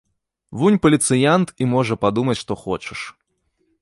Вунь паліцыянт і можа падумаць што хочаш.